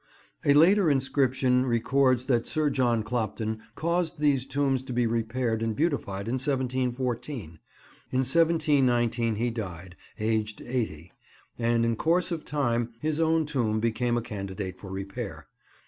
A later inscription records that Sir John Clopton caused these tombs to be repaired and beautified in 1714. In 1719 he died, aged 80; and in course of time his own tomb became a candidate for repair.